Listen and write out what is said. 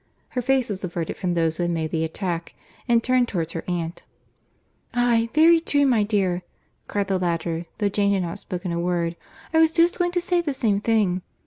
Her face was averted from those who had made the attack, and turned towards her aunt. "Aye, very true, my dear," cried the latter, though Jane had not spoken a word—"I was just going to say the same thing.